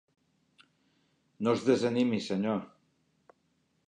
No es desanimi, senyor.